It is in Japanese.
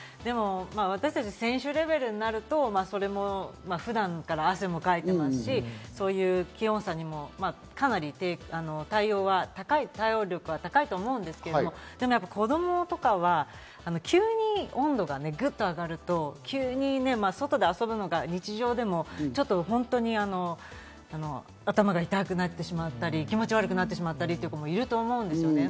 私たち選手レベルになると、普段から汗もかいてますし、気温差にもかなり対応力は高いと思うんですが、子供は急に温度がグッと上がると外で遊ぶのが日常でも頭が痛くなってしまったり、気持ち悪くなってしまったりという子もいると思うんですよね。